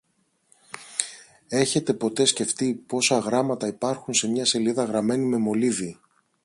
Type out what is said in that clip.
Έχετε ποτέ σκεφτεί πόσα γράμματα υπάρχουν σε μια σελίδα γραμμένη με μολύβι